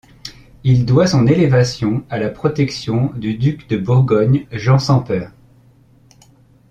Il doit son élévation à la protection du duc de Bourgogne Jean sans Peur.